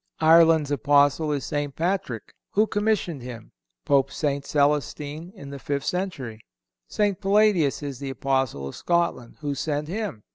Ireland's Apostle is St. Patrick. Who commissioned him? Pope St. Celestine, in the fifth century. St. Palladius is the Apostle of Scotland. Who sent him?